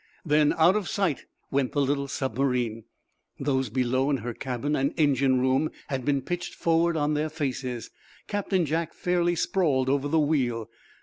Then out of sight went the little submarine. Those below in her cabin and engine room had been pitched forward on their faces. Captain Jack fairly sprawled over the wheel.